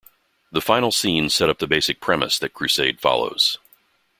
The final scenes set up the basic premise that "Crusade" follows.